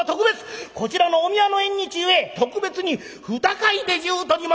こちらのお宮の縁日ゆえ特別に２貝で１０と２文！